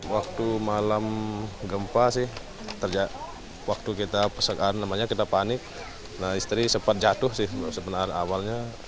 waktu malam gempa sih waktu kita panik istri sempat jatuh sih sebenarnya awalnya